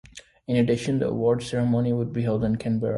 In addition, the awards ceremony would be held in Canberra.